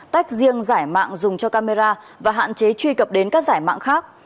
tách riêng giải mạng dùng cho camera và hạn chế truy cập đến các giải mạng khác